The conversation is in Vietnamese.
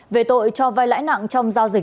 về tội cho bệnh